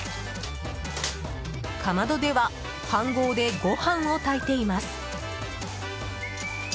かまどでは飯ごうでご飯を炊いています。